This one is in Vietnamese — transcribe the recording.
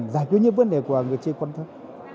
giải quyết những vấn đề của người chi quan thân